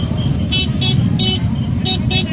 บ๊ายบายบาย